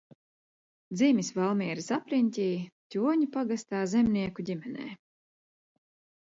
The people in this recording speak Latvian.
Dzimis Valmieras apriņķī, Ķoņu pagastā zemnieku ģimenē.